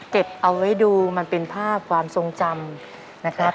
เก็บเอาไว้ดูมันเป็นภาพความทรงจำนะครับ